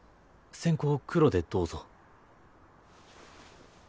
先攻黒でどうぞ。